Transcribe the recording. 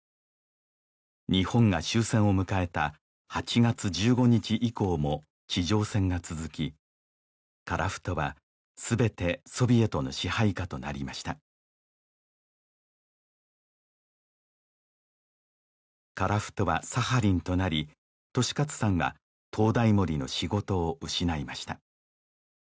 日本が終戦を迎えた８月１５日以降も地上戦が続き樺太は全てソビエトの支配下となりました樺太はサハリンとなり利勝さんは灯台守の仕事を失いました